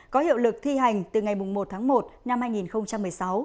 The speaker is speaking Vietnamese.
có hiệu lực thi hành từ ngày một tháng một năm hai nghìn một mươi sáu